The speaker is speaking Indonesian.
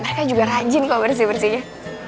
mereka juga rajin kok bersih bersihnya